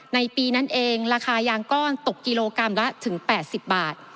ในปีนั้นเองราคายางก้อนตกกิโลกรัมละถึง๘๐บาท